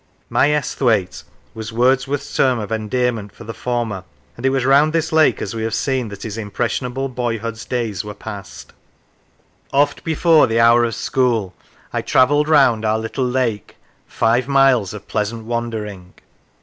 " My Esth waite " was Wordsworth's term of endearment for the former, and it was round this lake, as we have seen, that his impressionable boyhood's days were passed. Oft before the hour of school I travelled round our little lake, five miles Of pleasant wandering.